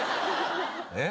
えっ？